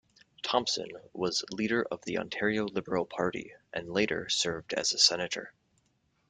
Thompson was leader of the Ontario Liberal Party and later served as a Senator.